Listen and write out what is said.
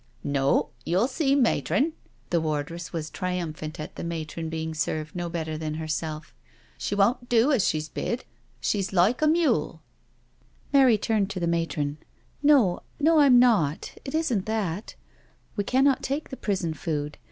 "No, you'll see. Matron," the wardress was trium phant at the matron being served no better than herself. '* She won't do as she's bid— she's like a mule." Mary turned to the matron: " No, no, I'm not— it isn't that— we cannot take the prison food.